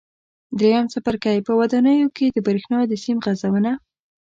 درېیم څپرکی: په ودانیو کې د برېښنا د سیم غځونه